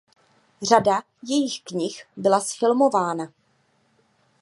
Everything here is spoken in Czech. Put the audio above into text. Řada jejich knih byla zfilmována.